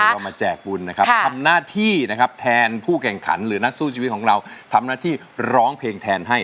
เรามาแจกบุญนะครับทำหน้าที่นะครับแทนผู้แข่งขันหรือนักสู้ชีวิตของเราทำหน้าที่ร้องเพลงแทนให้